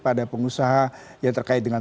pada pengusaha yang terkait dengan